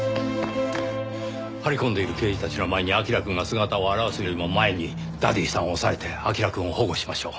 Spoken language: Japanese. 張り込んでいる刑事たちの前に彬くんが姿を現すよりも前にダディさんを押さえて彬くんを保護しましょう。